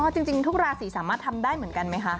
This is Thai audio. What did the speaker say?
จริงทุกราศีสามารถทำได้เหมือนกันไหมคะ